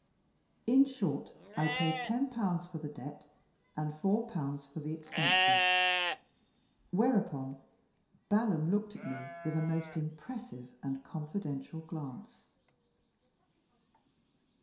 In short, I paid 10*l.* for the debt, and 4*l.* for the expenses: whereupon Balaam looked at me with a most impressive and confidential glance.